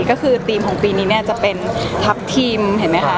ก็คือทีมของปีนี้เนี่ยจะเป็นทัพทีมเห็นไหมคะ